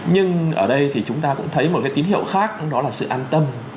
nhưng ở đây thì chúng ta cũng thấy một cái tín hiệu khác đó là sự an tâm